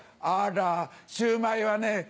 あらシューマイはね